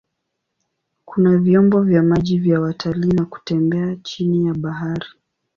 Kuna vyombo vya maji vya watalii na kutembea chini ya bahari.